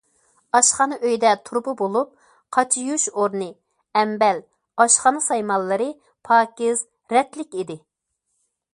ئاشخانا ئۆيدە تۇرۇبا بولۇپ، قاچا يۇيۇش ئورنى، ئەمبەل، ئاشخانا سايمانلىرى پاكىز، رەتلىك ئىدى.